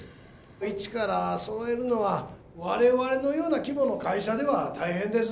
一からそろえるのは我々のような規模の会社では大変です。